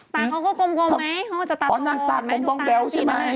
ตาเขาก็กลมไหมเขาก็จะตาตัวอ๋อนั่งตากลมแบวใช่ไหม